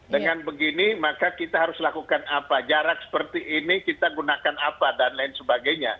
dengan begini maka kita harus lakukan apa jarak seperti ini kita gunakan apa dan lain sebagainya